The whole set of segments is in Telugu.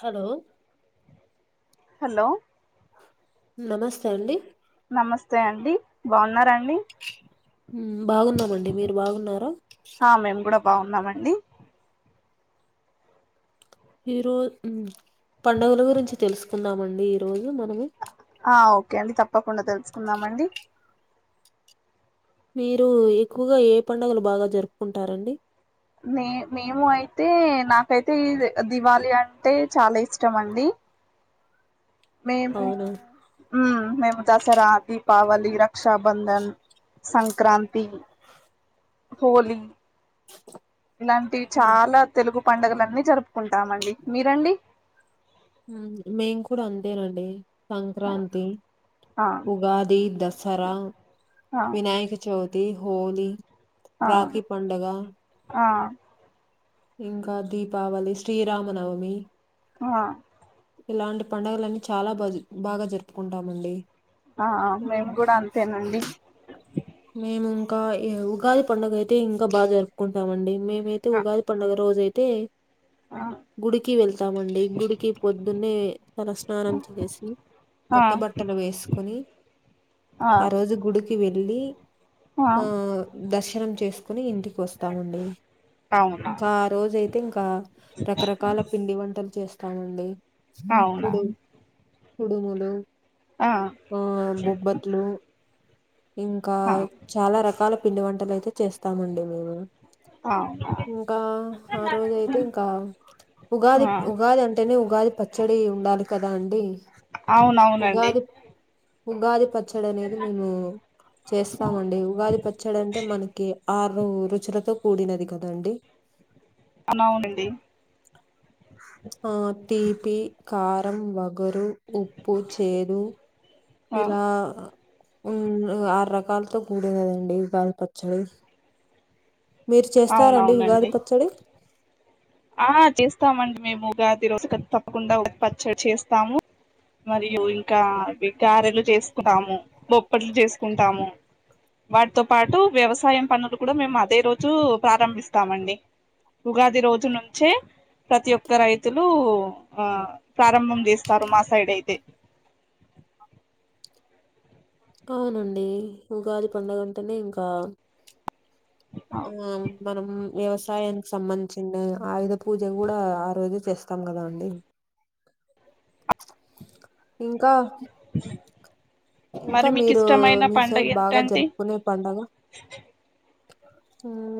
హలో హలో నమస్తే అండి నమస్తే అండి బావున్నారా అండి బాగున్నామండి మీరు బాగున్నారా హా మేం గూడ బావున్నాం అండి ఈ రో ఉ పండుగల గురించి తెల్సుకుందం అండి ఈ రోజు మనము ఆ ఓకే అండి తప్పకుండ తెల్సుకుందాం అండి మీరు ఎక్కుగా ఏ పండుగలు బాగా జరుపుకుంటారండి. మే మేము అయితే నాకైతే దివాళి అంటే చాలా ఇష్టం అండి మేము అవునా హుమ్ మేము దసరా దీపావళి రక్షాబంధన్ సంక్రాంతి హోలీ ఇలాంటివి ఆ, చాలా తెలుగు పండుగలన్నీ జరుపుకుంటామండి మీరండి హుమ్ మేము కూడా అంతేనండి సంక్రాంతి ఆ ఉగాది దసరా ఆ వినాయకచవితి చవితి హోలీ ఆ రాఖీ పండగ ఆ ఇంకా దీపావళి శ్రీరామనవమి ఆ ఇలాంటి పండుగలన్నీ చాలా బాగా జరుపుకుంటామండి ఆ ఆ మేము కూడా మ్. అంతేనండి మేము ఇంకా ఈ ఉగాది పండుగ అయితే ఇంకా బాగా జరుపు జరుపుకుంటామండి మేమైతే ఆ ఉగాది పండుగ రోజైతే ఆ గుడికి వెళ్తామండి గుడికి పొద్దున్నే తల స్నానం చేసి ఆ కొత్త బట్టలు వేసుకుని ఆ రోజు గుడికి వెళ్లి ఆ దర్శనం చేసుకుని ఇంటికి వస్తామండి అవునా కా రోజు అయితే ఇంకా రకరకాల పిండి వంటలు చేస్తామండి అవునా కుడుములు ఆ ఆ బొబ్బట్లు ఇంకా ఆ చాలా రకాల పిండి వంటలు అయితే చేస్తామండి మేము అవునా ఇంకా ఆ రోజయితే ఇంకా ఉగాది ఆ ఉగాది అంటేనే ఉగాది పచ్చడి ఉండాలి కదా అండి అవునవునండి ఉగాది ఉగాది పచ్చడి అనేది మేము చేస్తామండి ఉగాది పచ్చడి అంటే మనకి ఆరు రుచులతో కూడినది కదండి అవునవునండి ఆ తీపి కారం వగరు ఉప్పు చేదు ఆ ఇలా ఆరు రకాలతో కూడినది అండి ఉగాది పచ్చడి మీరు చేస్తారండి ఉగాది అవునవునండి పచ్చడి ఆ చేస్తామండి మేము ఉగాది రోజు తప్పకుండా ఉగాది పచ్చడి చేస్తాము మరియు ఇంకా గారెలు చేసుకుంటాము బొప్పట్లు చేసుకుంటాము వాటితో పాటు వ్యవసాయం పనులు కూడా మేము అదే రోజు ప్రారంభిస్తామండి ఉగాది రోజును నుంచే ప్రతి ఒక్క రైతులు ఆ ప్రారంభం చేస్తారు మా సైడ్ అయితే అవునండి ఉగాది పండగంటేనే ఇంకా ఆ మనం వ్యవసాయానికి సంబంధించిన ఆయుధ పూజ కూడా ఆ రోజు చేస్తాం కదా అండి ఇంకా ఇంకా మరి మీకు ఇష్టమైన పండగ ఏంటండీ నే పండగ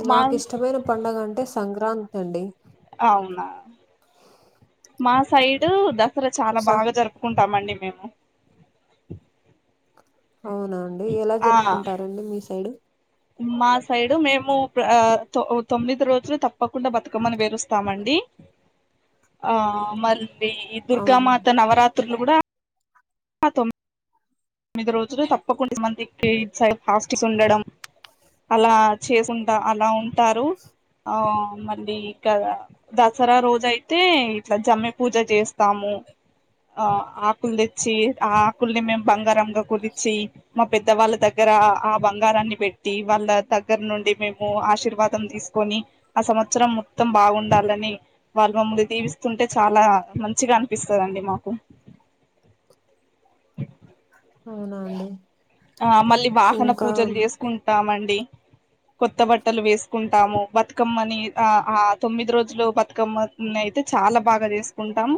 మా నాకు ఇష్టమైన పండగ అంటే సంక్రాంతి అండి అవునా మా సైడ్ దసరా చాలా స బాగ జరు కుంటామండి మేము అవునా అండి ఎలా ఆ జరుపుకుంటారండి మీ సైడ్ మా సైడు మేముతొమ్మిది రోజులు తప్పకుండా బతుకమ్మని పేరుస్తామండి ఆ మళ్ళీ ఈ అవును దుర్గామాత నవరాత్రులు కూడ తొ మీమిది రోజులు తప్పకుండా మంది క్ర హాస్స్ ఉండడం అలా చేసుంట అలా ఉంటారు ఆ మళ్ళీ ఇక దసరా రోజ అయితే ఇట్ల జమ్మి పూజ చేస్తాము ఆ ఆకులు తెచ్చి ఆ ఆకుల్ని మేము బంగారంగ కొలిచి మా పె వాళ్ళ దగ్గర ఆ బంగారాన్ని పెట్టి వాళ్ళ దగ్గర నుండి మేము ఆ ఆశీర్వాదం తీసుకొని ఆ సంవత్సరం మొత్తం బాగుండాలని వాళ్ళ మమ్మ [unintelligible] దివిస్తుంటే చాలా మంచిగ అనిపిస్తందిండి మాకు అవున అండి ఆ మళ్ళీ వాహన ఇంకా పూజలు చేసుకుంటామండి కొత్త బట్టలు వేసుకుంటాము బతుకమ్మని ఆ ఆ తొమ్మిది రోజులు బతుకమ్మ అయితే చాల బాగ చేసుకొంటాం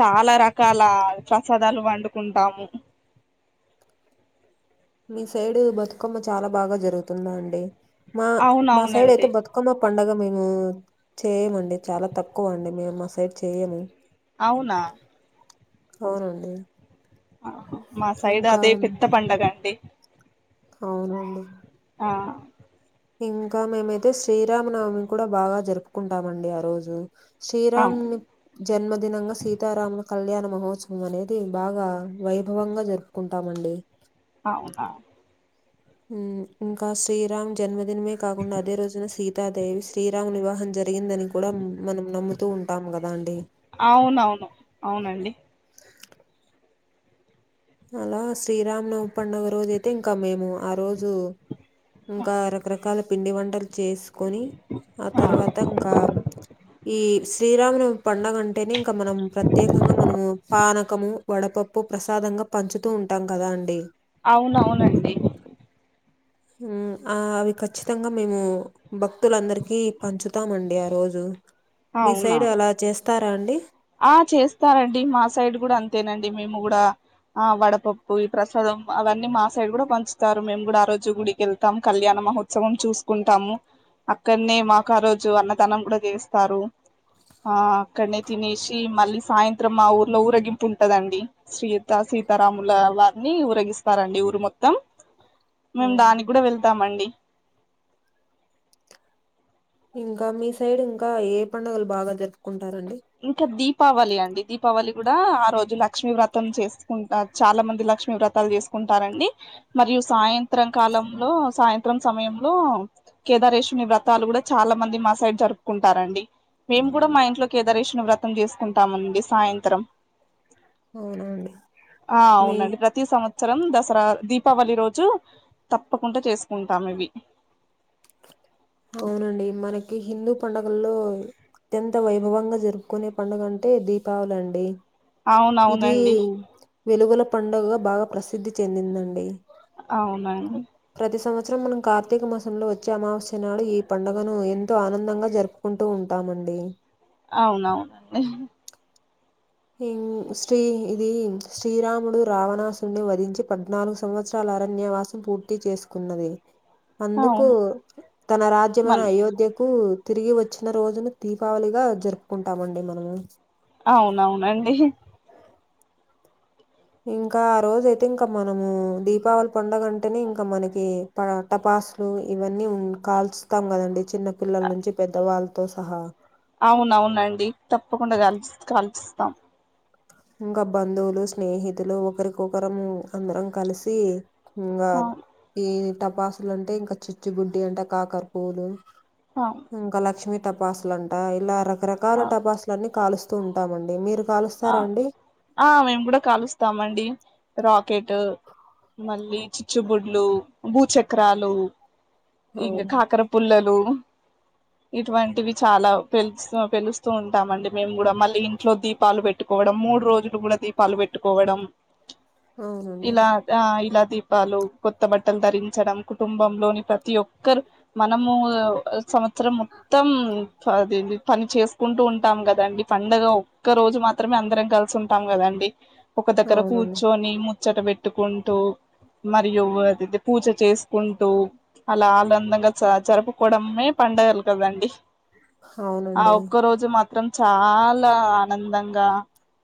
చాలా రకాల ప్రసాదాలు వండుకుంటాము మీ సైడ్ బతుకమ్మ చాలా బాగా జరుగుతుందా అండి మా మా సైడ్ అవునవునండి అయితే బతు [unintelligible] పండుగ మేము చేయమండి చాలా తక్కువ అండి మేము మా సైడ్ చేయము అవున అవునండి ఆహ మా సైడ్ ఇంకా అదే పెద్ద పండగ అండి అవునండి ఆ ఇంకా మేమైతే శ్రీరామనవమి కూడా బాగా జరుపుకుంటామండి ఆ రోజు శ్రీరా అవు [unintelligible] జన్మదినంగా సీతారాముల కళ్యాణ మహోత్సవం అనేది బాగ వైభవంగా జరుపుకుంటామండి అవున ఉమ్ ఇంకా శ్రీరామ్ జన్మదినమే కాకుండ అదే రోజున సీతాదేవి శ్రీరాముని వివాహం జరిగిందని కూడ మనం నమ్ముతూ ఉంటాము గదా అండి అవునవును అవునండి అలా శ్రీరామనవమి పండుగ రోజు అయితే ఇంక మేము ఆ రోజు ఇంకా రకరకాల పిండి వంటలు చెస్ కొని ఆ తర్వాత ఇంకా ఈ శ్రీరామ [unintelligible] పండగ అంటేనే ఇంకా మనం ప్రత్యేకంగా మనము పానకము వడపప్పు ప్రసాదంగ పంచుతూ ఉంటాం కదా అండి అవునవునండి ఉమ్ ఆ అవి ఖచ్చితంగా మేము భక్తులందరికీ పంచుతామండి ఆ రోజు మీ అవునా సైడ్ అల చేస్తారా అండి ఆ చేస్తారండి మా సైడ్ గూడా అంతేనండి మేము గూడ ఆ వడపప్పు ఈ ప్రసాదం అవన్నీ మా సైడ్ గూడా పంచుతారు మేము కూడా ఆ రోజు గుడికి వెళ్తాం కళ్యాణ మహో ఉత్సవం చూసుకుంటాము అక్కన్నే మాకు ఆ రోజు అన్నదానం గూడ చేస్తారు ఆ అక్కన్నే తినేసి మల్లి సాయంత్రం మా ఊర్లో ఊరేగింపు ఉంటదండి సీత సీతారాముల వారిని ఊరెగిస్తారండి ఊరు మొత్తం మేమ్ అవునండి దానికి గూడా వెళ్తామండి ఇంకా మీ సైడ్ ఇంకా ఏ పండుగలు బాగా జరుపుకుంటారండి ఇంకా దీపావళి అండి దీపావళి గూడా ఆ రోజు లక్ష్మీ వ్రతం చేస్ ఉంటా చాలా మంది లక్ష్మీ వ్రత్ అప్పల్ చేసుకుంటారండి మరియు సాయంత్రం కాలంలో సాయంత్రం సమయంలో కేదారేేశ్వని వ్రతాలు గూడా చాలా మంది మా సైడ్ జరుపుకుంటారండి మేము కూడా మా ఇంట్లో కేదరేశ్ను వ్రతం చేసుకుంటామండి సాయంత్రం అవునా అండి ఆ మీ అవునండి వ్రత్ ప్రతి సంవత్సరం దసరా దీపావళి రోజు తప్పకుంట చేసుకుంటాం ఇవి అవునండి మనకి హిందూ పండుగల్లో అత్యంత వైభవంగా జరుపుకునే పండుగ అంటే దీపావళి అండి ఇది అవునవునండి వెలుగుల పండుగా బాగా ప్రసిద్ధి చెందిందండి అవునండి ప్రతి సంవత్సరం మనం కార్తీక మాసంలో వచ్చే అమావాస్యనాడు ఈ పండుగను ఎంతో ఆనందంగా జరుపు కుంటూ ఉంటామండి అవున ఇంగ్ శ్రీ ఇది శ్రీరాముడు రావణాసుని వధించి పద్నాలుగు సంవత్సరాల అరణ్యవాస పూర్తి చేసుకున్నది అందుకు అవును తన రాజ్యమైన మన్ అయోధ్యకు తిరిగి వచ్చిన రోజును దీపావళిగా జరుపుకుంటామండి మనము అవునవునండి ఇంకా ఆ రోజ అయితే ఇంకా మనము దీపావళి పండగంటేనే ఇంకా మనకి ప టపాసులు ఇవన్నీ ఉన్ కాల్స్ తాం కదండి చిన్న పిల్లల నుంచి పెద్దవాల్తో సహా అవునవునండి తప్పకుండా కాల్స్ కాల్స్తాం. ఇంగ బంధువులు స్నేహితులు ఒకరికొకరం అందరం కలిసి ఇంగా అవును ఈ టపాసులు అంటే ఇంకా చుచ్చు బుడ్డి అంట కాకరపూలు అ ఇంకా లక్ష్మీ టపాసులు అంట ఇలా రకరకాల ఆ టపాసులన్ని కాలుస్తూ ఉంటామండి మీరు కాలుస్ ఆ ఆ మేము కూడా కాలుస్తామండి రాకెటు మళ్ళీ చుచ్చుబుడ్లు, భూచక్రాలు, ఇంగ అవును కాకర పుల్లలు. ఇటువంటివి చాలా పెలుస్త పెలుస్తూ ఉంటామండి మేము కూడా మళ్ళీ ఇంట్లో దీప్ పాలు పెట్టుకోవడం మూడు రోజులు కూడా దీపాలు పెట్టుకోవడం అవునండి ఇలా ఆ ఇలా దీపాలు కొత్త బట్టలు ధరించడం కుటుంబంలోని ప్రతి ఒక్కరు మనము ఒ సంవత్సరం మొత్తం అది పని చేసుకుంటూ ఉంటాం కదండి పండగ ఒక్క రోజు మాత్రమే అందరం కలిసి ఉంటాం కదండి ఒక దగ్గర అవునండి కూర్చొని ముచ్చట పెట్ పెట్టుకుంటూ మరియు అదది పూజ చేసుకుంటూ అలా ఆనందంగా చ చరుపుకోవడమే పండగలు కదండి ఆ అవునండి ఒక్క రోజు మాత్రం చాలా ఆనందంగా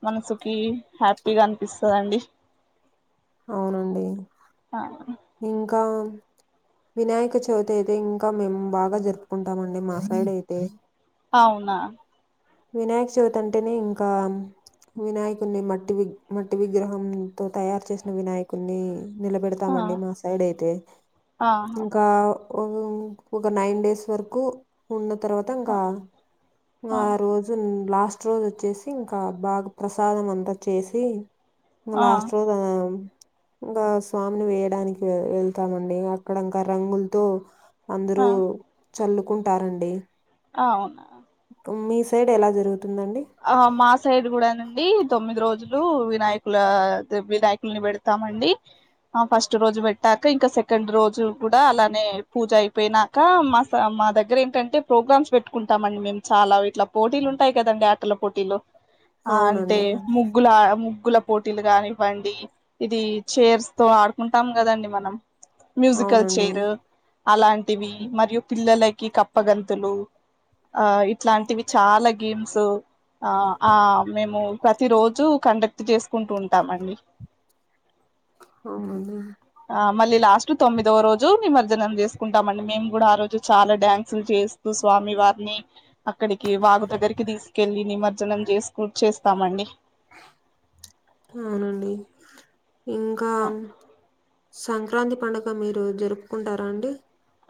మనసుకి హ్యాపీగా అనిపిస్తదండి అవునండి ఆ ఇంకా వినాయక చవితి అయితే ఇంకా మేము బాగా జరుపుకుంటం అండి మా సైడ్ అయితే అవునా వినాయక చవితి అంటేనే ఇంకా వినాయకుడిని మట్టి విగ్ మట్టి విగ్రహంతో తయారు చేసిన వినాయకున్ని ఆ నిలబెడతామండి మా సైడ్ అయితే ఆహా ఇంకా ఒక నైన్ డేస్ వరకు ఉన్న తర్వాత ఇంకా ఆ రోజు లాస్ట్ రోజు వచ్చేసి ఇంకా బాగా ప్రసాదం అంతా చేసి మల లాస్ట్ రోజ ఇంకా స్వామిని వేయడానికి ఎళ్తామండి అక్కడ ఇంకా రంగులతో ఆ అందరూ చల్లుకుంటారండి అవున మీ సైడ్ ఎలా జరుగుతుందండి ఆ మా సైడ్ కూడానండి తొమ్మిది రోజులు వినాయకుల వినాయకుల్ని పెడతామండి ఆ ఫస్ట్ రోజు పెట్టాక ఇంకా సెకండ్ రోజు కూడా అలానే పూజ అయిపోయిన క మా మా దగ్గర ఏంటంటే ప్రోగ్రామ్స్ పెట్టుకుంటామ అండి మేము చాలా ఇట్లా పోటీలు ఉంటాయి కదండి ఆటల పోటీలు అంటే అవునండి ముగ్గుల ముగ్గుల పోటీలు కానివ్వండి ఇది చైర్స్ తో ఆడుకుంటాం కదండి మనం మ్యూజికల్ అవునండి చైర్ అలాంటివి మరియు పిల్లలకి కప్పగంతులు ఆ ఇట్లాంటివి చాలా గేమ్స్ ఆ ఆ మేము ప్రతి రోజు కండక్ట్ చేసుకుంటూ ఉంటామండి అవును ఆ మళ్ళీ లాస్ట్ తొమ్మిదవ రోజు నిమజ్జనం చేసుకుంటామండి మేము కూడా ఆ రోజు చాలా డ్యాన్సులు చేస్ తూ స్వామివారిని అక్కడికి వాగు దగ్గరికి తీసుకెళ్ళి నిమజ్జనం చేసుకు చేస్తామండి అవునండి ఇంకా సంక్రాంతి పండుగ మీరు జరుపుకుంటారా అండి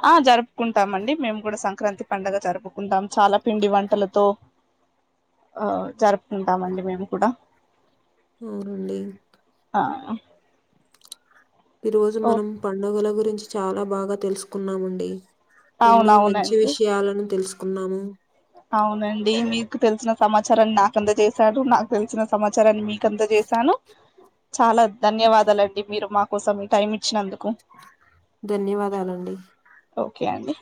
ఆ జరుపుకుంటాం అండి మేము కూడా సంక్రాంతి పండగ జరుపుకుంటాం చాలా పిండి వంటలతో ఆ జరుపుకుంటామండి మేము కూడా అవునండి ఆ ఈ రోజు ఓ మనం పండుగల గురించి చాలా బాగా తెలుసుకున్నామండి ఎన్నో మంచి అవునవునండి విషయాలను తెలుసుకున్నాము అవునండి మీకు తెలిసిన సమాచారాన్ని నాకు అంద చేశారు నాకు తెలిసిన సమాచారాన్ని మీకు అంద చే శాను చాలా ధన్యవాదాలుండి మీరు మా కోసం ఈ టైం ఇచ్చినందుకు ధన్యవాదాలండి ఓకే అండి